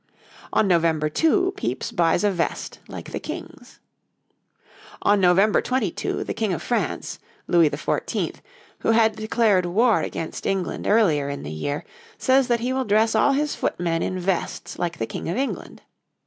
On November 2 Pepys buys a vest like the King's. On November 22 the King of France, Louis XIV., who had declared war against England earlier in the year, says that he will dress all his footmen in vests like the King of England.